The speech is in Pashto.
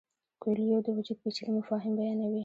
کویلیو د وجود پیچلي مفاهیم بیانوي.